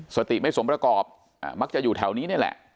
สติไม่สมประกอบมักจะอยู่แถวนี้นี่แหละ